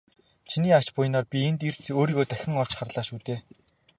Чиний ач буянаар би энд ирж өөрийгөө дахин олж харлаа шүү дээ.